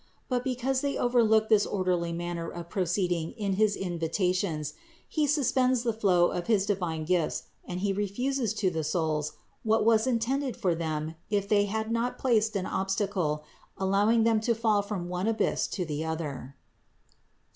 But because they over look this orderly manner of proceeding in his invitations, He suspends the flow of his divine gifts and He refuses to the souls, what was intended for them if they had not placed an obstacle, allowing them to fall from one abyss to the other (Ps.